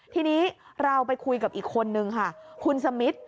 ทีนี้เราไปคุยกับอีกคนนึงค่ะคุณสมิท